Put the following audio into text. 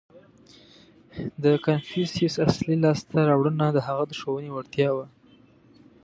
• د کنفوسیوس اصلي لاسته راوړنه د هغه د ښوونې وړتیا وه.